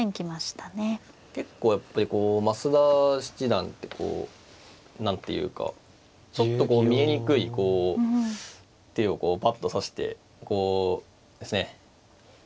結構やっぱり増田七段ってこう何ていうかちょっとこう見えにくい手をパッと指してこういきなり抜け出すというか。